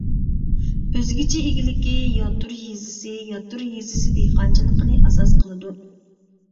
ئۆزگىچە ئىگىلىكى ياتۇر يېزىسى ياتۇر يېزىسى دېھقانچىلىقنى ئاساس قىلىدۇ.